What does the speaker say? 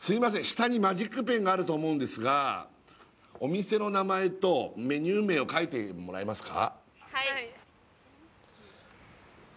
下にマジックペンがあると思うんですがお店の名前とメニュー名を書いてもらえますか？